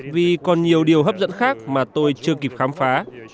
vì còn nhiều điều hấp dẫn khác mà tôi chưa kịp khám phá